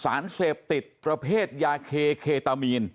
สารเสพติดประเภทยาเคเคตามีน